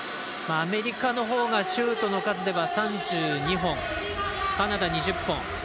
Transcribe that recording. アメリカのほうがシュートの数では３２本カナダ、２０本。